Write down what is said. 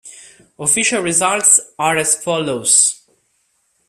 Official results are as follows.